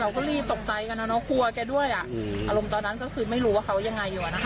ก็รีบตกใจกันนะเนอะกลัวแกด้วยอ่ะอารมณ์ตอนนั้นก็คือไม่รู้ว่าเขายังไงอยู่นะคะ